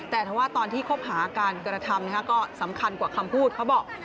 แต่ถ้าว่าตอนที่คบหาการกระทำก็สำคัญกว่าคำพูดเขาบอก